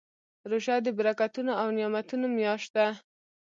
روژه د برکتونو او نعمتونو میاشت ده.